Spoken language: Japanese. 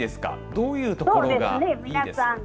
どういうところがいいですか。